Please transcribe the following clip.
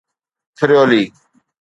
فريولي